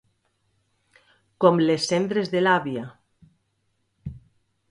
Com les cendres de l'àvia...